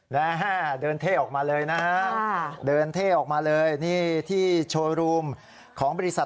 เดินเท่ออกมาเลยนะฮะเดินเท่ออกมาเลยนี่ที่โชว์รูมของบริษัท